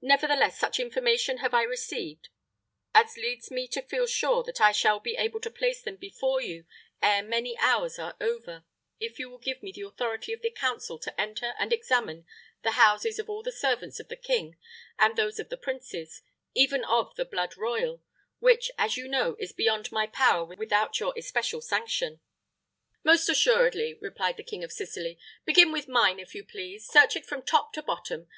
Nevertheless, such information have I received as leads me to feel sure that I shall be able to place them before you ere many hours are over, if you will give me the authority of the council to enter and examine the houses of all the servants of the king and those of the princes even of the blood royal; which, as you know, is beyond my power without your especial sanction." "Most assuredly," replied the King of Sicily. "Begin with mine, if you please. Search it from top to bottom.